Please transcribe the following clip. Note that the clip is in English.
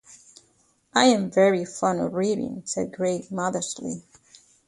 "I'm very fond of reading," said Gray modestly.